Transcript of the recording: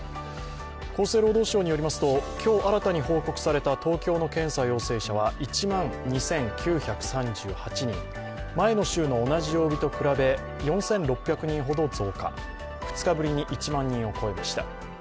厚生労働省によりますと今日新たに報告された東京の検査陽性者は１万２９３８人、前の週の同じ曜日と比べ４６００人ほど増加、２日ぶりに１万人を超えました。